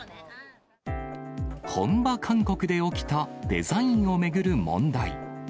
本場韓国で起きたデザインを巡る問題。